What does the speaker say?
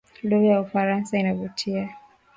Lugha ya ufaransa inavutia